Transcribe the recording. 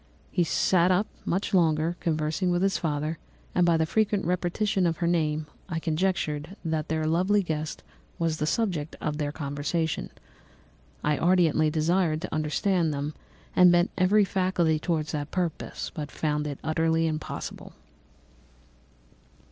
He sat up much longer, conversing with his father, and by the frequent repetition of her name I conjectured that their lovely guest was the subject of their conversation. I ardently desired to understand them, and bent every faculty towards that purpose, but found it utterly impossible.